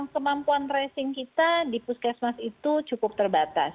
kemampuan tracing kita di puskesmas itu cukup terbatas